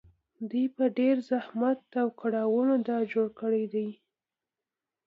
دوی په ډېر زحمت او کړاوونو دا جوړ کړي دي